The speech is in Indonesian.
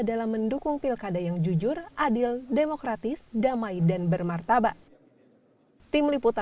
dalam mendukung pilkada yang jujur adil demokratis damai dan bermartabat